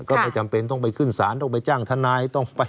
ก็ไม่จำเป็นต้องไปขึ้นสารต้องไปจ้างทนาย